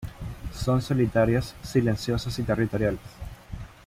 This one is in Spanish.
Son solitarios, silenciosos y territoriales.